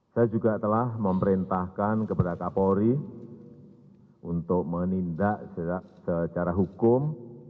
saya juga telah memerintahkan kepada kapolri untuk menindak secara hukum